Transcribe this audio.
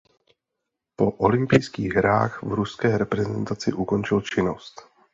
Po olympijských hrách v ruské reprezentaci ukončil činnost.